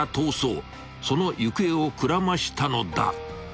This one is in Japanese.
［その行方をくらましたのだ］